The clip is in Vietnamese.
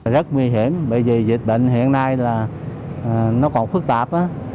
rất nguy hiểm bởi vì dịch bệnh hiện nay là nó còn phức tạp